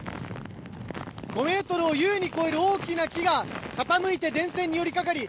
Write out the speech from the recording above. ５ｍを優に超える大きな木が傾いて電線に寄りかかり